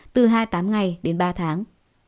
từ hai tám ngày đến ba tháng